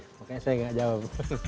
makanya saya tidak jawab